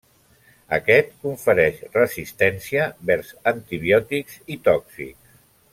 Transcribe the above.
Aquest, confereix resistència vers antibiòtics i tòxics.